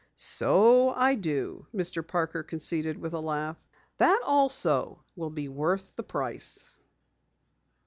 "So I do," Mr. Parker conceded with a laugh. "That also will be worth the price."